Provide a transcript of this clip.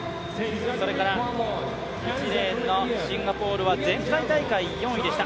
１レーンのシンガポールは前回大会４位でした。